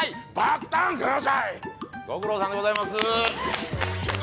ご苦労さんでございます。